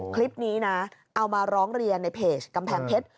คลิปนี้นะเอามาร้องเรียนในเพจกำแพงเพชร